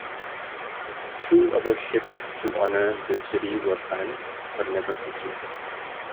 Two other ships to honor the city were planned, but never completed.